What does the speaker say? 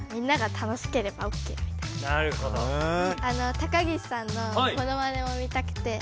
高岸さんのモノマネも見たくて。